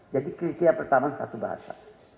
jadi kriteria pertama satu bahasa